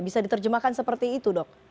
bisa diterjemahkan seperti itu dok